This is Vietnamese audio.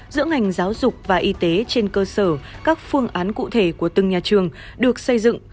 giữa ngành giáo dục và y tế trên cơ sở các phương án cụ thể của từng nhà trường được xây dựng